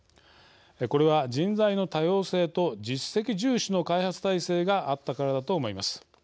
これは人材の多様性と実績重視の開発態勢があったからだと思います。